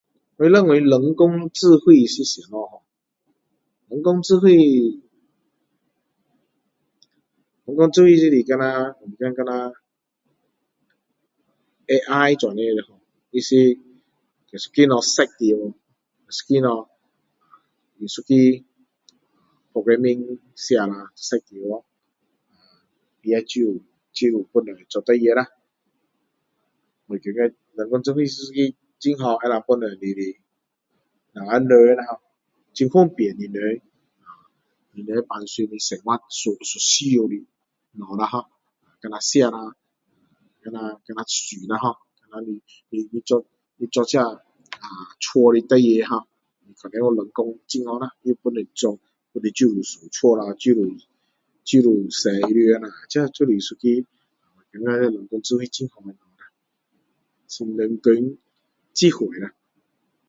我若讲人工智慧是什么ho人工智慧人工智慧就是像有一点就是像AI这样的他是有一个东西set进去用一个东西用一个programming 写了set进wo它会自动自动帮助做事情啦我觉得人工智慧是一个很好能够帮助你的我们人啦ho很方便你们啊你们平常的生活所需要的东西啦ho像吃啦像穿啦ho像你你你做你做这家的事情啦你人工很好啦帮你自动扫地啦自动洗衣服啦啊这就是一人说人工智能很好的东西很冷更职份